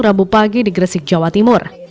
rabu pagi di gresik jawa timur